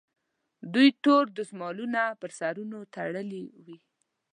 دوی تور دستمالونه پر سرونو تړلي وي.